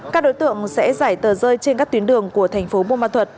các đối tượng sẽ giải tờ rơi trên các tuyến đường của thành phố buôn ma thuật